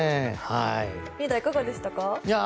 リーダー、いかがでしたか？